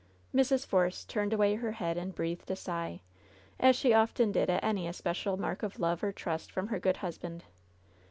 Mrs. Force turned away her head and breathed a sigh, as she often did at any especial mark of love or trust from her good husband.